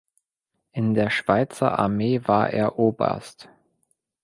In der Schweizer Armee war er Oberst.